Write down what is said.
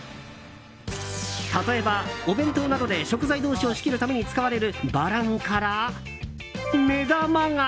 例えば、お弁当などで食材同士を仕切るために使われるバランから目玉が！